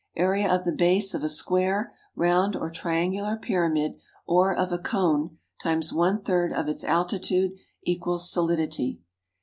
Area of the base of a square, round or triangular pyramid, or of a cone, × one third of its altitude = Solidity.